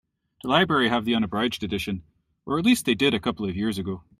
The library have the unabridged edition, or at least they did a couple of years ago.